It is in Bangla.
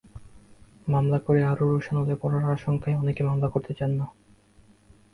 মামলা করে আরও রোষানলে পড়ার আশঙ্কায় অনেকে মামলা করতে চান না।